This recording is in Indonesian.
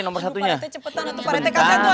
cepet pak rt